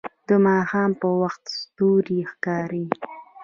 د ماښام په وخت ستوري ښکاري